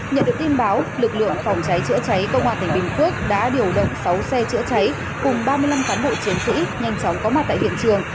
nhận được tin báo lực lượng phòng cháy chữa cháy công an tỉnh bình phước đã điều động sáu xe chữa cháy cùng ba mươi năm cán bộ chiến sĩ nhanh chóng có mặt tại hiện trường